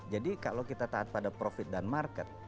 jadi kalau kita taat pada profit dan market